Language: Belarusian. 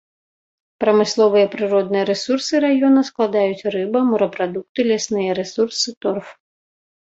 Прамысловыя прыродныя рэсурсы раёна складаюць рыба, морапрадукты, лясныя рэсурсы, торф.